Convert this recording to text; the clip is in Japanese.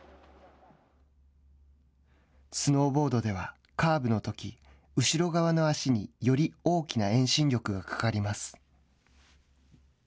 スノーボードではカーブのとき後ろ側の足により大きな遠心力がかかります。